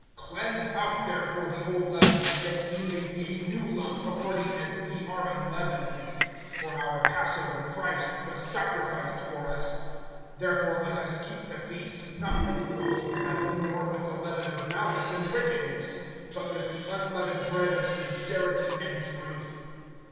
(7)Cleanse out therefore the old leaven, that ye may be a new lump, according as ye are unleavened. For our passover, Christ, was sacrificed for us; (8)therefore let us keep the feast, not with old leaven, nor with the leaven of malice and wickedness, but with the unleavened bread of sincerity and truth.